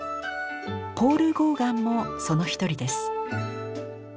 ポール・ゴーガンもその一人です。